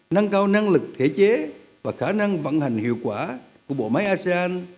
nâng cao năng lực thể chế và khả năng vận hành hiệu quả của bộ máy asean